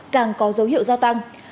càng có dấu hiệu gia tăng